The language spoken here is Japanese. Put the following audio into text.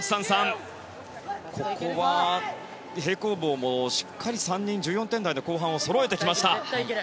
ここは平行棒も、しっかり３人１４点台の後半をそろえてきました。